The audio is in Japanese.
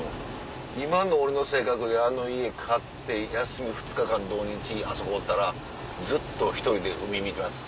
今の俺の性格であの家買って休み２日間土・日あそこおったらずっと１人で海見てます。